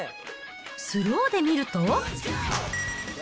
スローで見ると。